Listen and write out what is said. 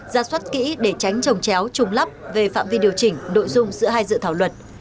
ra suất kỹ để tránh trồng chéo trùng lắp về phạm vi điều chỉnh nội dung giữa hai dự thảo luật